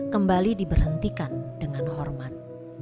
kembali diberhentikan dengan hormat